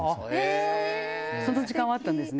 その時間はあったんですね。